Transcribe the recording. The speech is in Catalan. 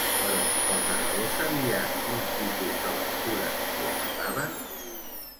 Però el narrador sabia quin tipus de lectures li agradaven?